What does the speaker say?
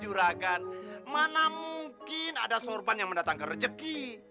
juragan mana mungkin ada sorban yang mendatang ke rezeki